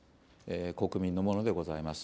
国民のものでございます。